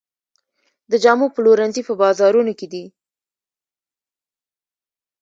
د جامو پلورنځي په بازارونو کې دي